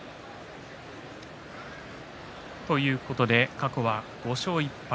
過去は５勝１敗